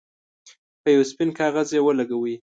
په یو سپین کاغذ یې ولګوئ.